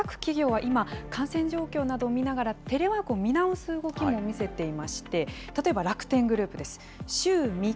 実際に、各企業は今、感染状況などを見ながら、テレワークを見直す動きも見せていまして、例えば楽天グループです。